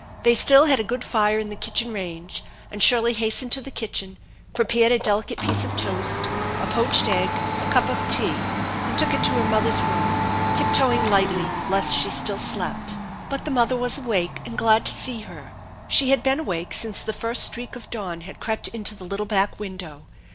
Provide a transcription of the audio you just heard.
They still had a good fire in the kitchen range, and Shirley hastened to the kitchen, prepared a delicate piece of toast, a poached egg, a cup of tea, and took it to her mother's room, tiptoeing lightly lest she still slept. But the mother was awake and glad to see her. She had been awake since the first streak of dawn had crept into the little back window.